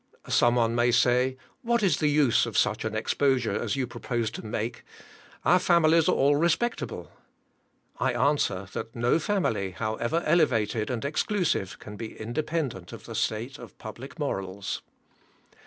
Some one may say, "What is the use of such an exposure as you propose to make? Our families are all respectable." I answer, that no family, however elevated and exclusive, can be independent of the state of public morals.